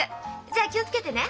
じゃ気を付けてね。